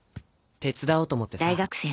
手伝おうと思ってさ。